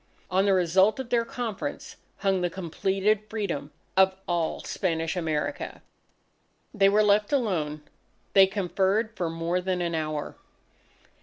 On the result of their conference, hung the completed Freedom of all Spanish America. They were left alone. They conferred for more than an hour.